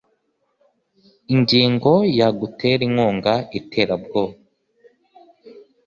ingingo ya gutera inkunga iterabwoba